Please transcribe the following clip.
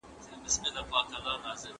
ايډيالوژي د سياسي پريکړو چوکاټ جوړوي.